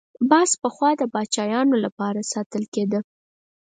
باز پخوا د پاچایانو لپاره ساتل کېده